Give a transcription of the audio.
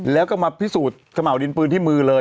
แล้วก็มาพิสูจน์เขม่าวดินปืนที่มือเลย